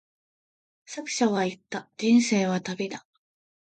作者は言った、人生は旅だ。